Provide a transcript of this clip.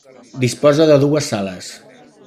Disposa de dues sales.